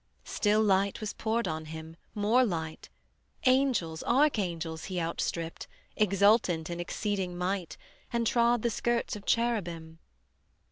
Still light was poured on him, more light; Angels, Archangels he outstripped, Exultant in exceeding might, And trod the skirts of Cherubim.